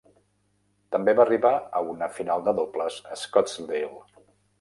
També va arribar a una final de dobles a Scottsdale.